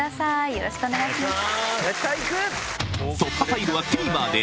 よろしくお願いします。